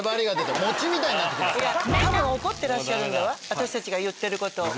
私たちが言ってることを。